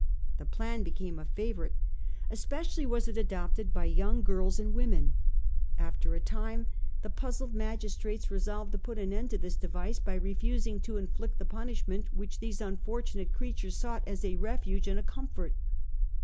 The plan became a favourite. Especially was it adopted by young girls and women. After a time the • 1846 . RUIN TO LANDLORDS. 423 puzzled magistrates resolved to put an end to this device by refusing to inflict the punishment which these unfortunate creatures sought as refuge and a comfort.